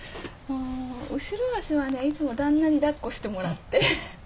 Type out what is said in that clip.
後ろ足はねいつも旦那にだっこしてもらって。